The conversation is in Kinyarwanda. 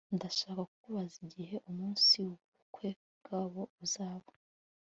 ndashaka kubabaza igihe umunsi w'ubukwe bwabo uzaba